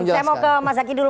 saya mau ke mas zaky dulu